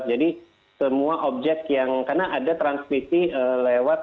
jadi semua objek yang karena ada transmisi lewat